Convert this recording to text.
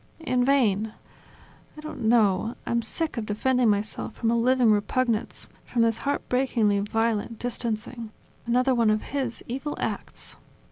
... In vain! I don't know, I'm sick of defending myself from a living repugnance, from this heartbreakingly violent distancing, another one of his evil acts!